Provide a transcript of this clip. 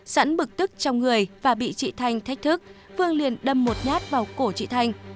sẵn bực tức trong người và bị chị thanh thách thức phương liền đâm một nhát vào cổ chị thanh